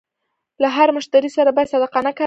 له هر مشتري سره باید صادقانه کار وشي.